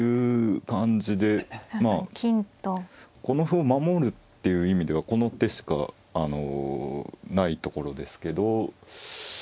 この歩を守るっていう意味ではこの手しかあのないところですけど。